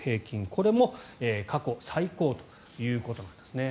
これも過去最高ということなんですね。